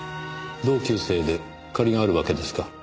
同級生で借りがあるわけですか？